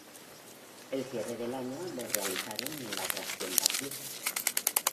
El cierre del año lo realizaron en La Trastienda Club.